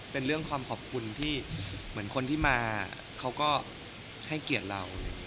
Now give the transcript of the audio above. เป็นเรื่องความขอบคุณที่เหมือนคนที่มาเขาก็ให้เกียรติเรา